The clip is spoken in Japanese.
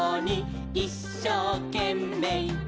「いっしょうけんめい」